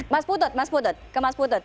mas putut mas putut ke mas putut